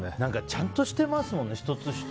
ちゃんとしてますよね。